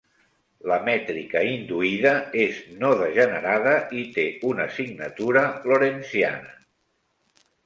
La mètrica induïda és no-degenerada i té una signatura Lorentziana.